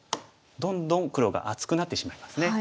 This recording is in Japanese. どんどん黒が厚くなってしまいますね。